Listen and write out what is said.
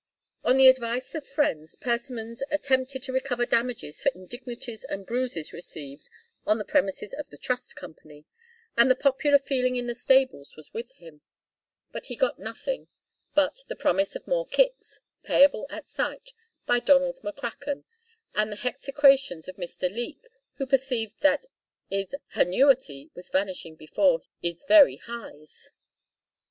On the advice of friends, Persimmons attempted to recover damages for indignities and bruises received on the premises of the Trust Company, and the popular feeling in the stables was with him. But he got nothing but the promise of more kicks, payable at sight, by Donald McCracken, and the hexecrations of Mister Leek who perceived that 'is hannuity was vanishing before 'is very heyes.